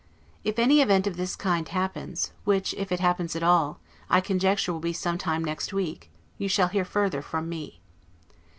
If any event of this kind happens, which (if it happens at all) I conjecture will be some time next week, you shall hear further from me.